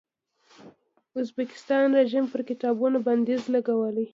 ازبکستان رژیم پر کتابونو بندیز لګولی.